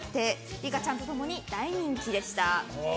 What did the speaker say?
リカちゃんと共に大人気でした。